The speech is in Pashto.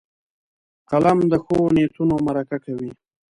قلم د ښو نیتونو مرکه کوي